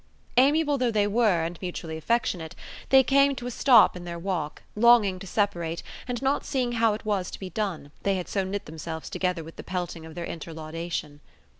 Amiable though they were, and mutually affectionate, they came to a stop in their walk, longing to separate, and not seeing how it was to be done, they had so knit themselves together with the pelting of their interlaudation.